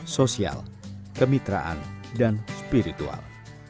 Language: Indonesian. sosial kemitraan dan spiritual